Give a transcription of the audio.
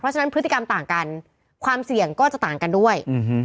ฉะนั้นพฤติกรรมต่างกันความเสี่ยงก็จะต่างกันด้วย